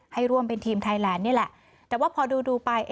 ให้ร่วมเป็นทีมไทยแลนด์นี่แหละแต่ว่าพอดูดูไป